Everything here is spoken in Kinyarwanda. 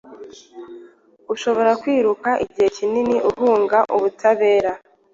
ushobora kwiruka igihe kinini uhunga ubutabera,